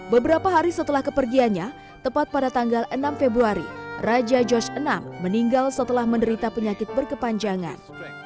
beberapa hari setelah kepergiannya tepat pada tanggal enam februari raja george vi meninggal setelah menderita penyakit berkepanjangan